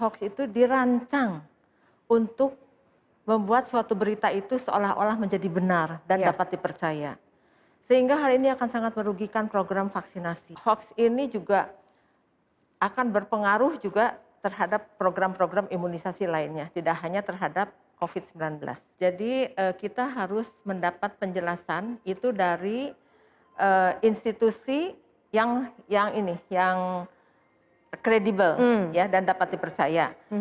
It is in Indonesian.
kami menggunakan informasi tersebut untuk membuat informasi tersebut lebih kredibel dan dapat dipercaya